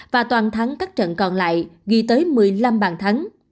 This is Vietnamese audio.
và toàn thắng các trận còn lại ghi tới một mươi năm bàn thắng